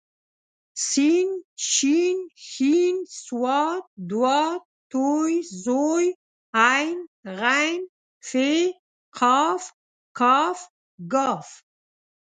س ش ښ ص ض ط ظ ع غ ف ق ک ګ